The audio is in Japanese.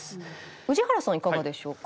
宇治原さんはいかがでしょうか。